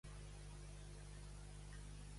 Què significa Pontos en grec?